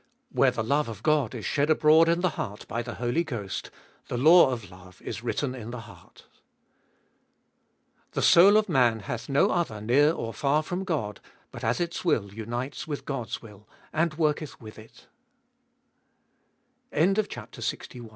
Where the love of God is shed abroad In the heart by the Holy Ghost, the law of love Is written in the heart. 6. The soul of man hath no other near or far from God, but as its will unites with God's will, and wo